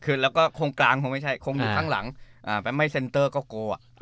คือแล้วก็โครงกลางผมไม่ใช่โครงอยู่ข้างหลังแป๊บไม้เซนเตอร์ก็โก้